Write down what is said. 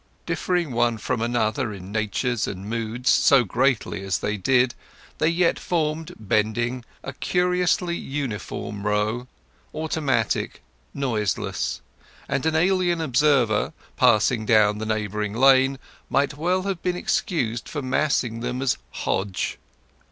Differing one from another in natures and moods so greatly as they did, they yet formed, bending, a curiously uniform row—automatic, noiseless; and an alien observer passing down the neighbouring lane might well have been excused for massing them as "Hodge".